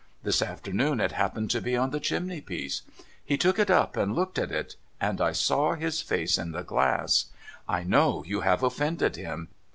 This afternoon it happened to be on the chimney piece. He took it up and looked at it — and I saw his face in the glass. I know you have offended him